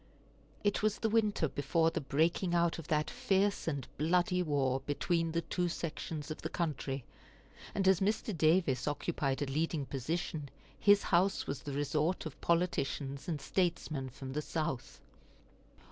It was the winter before the breaking out of that fierce and bloody war between the two sections of the country; and as Mr. Davis occupied a leading position, his house was the resort of politicians and statesmen from the South.